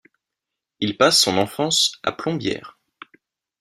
Il passe son enfance à Plombières.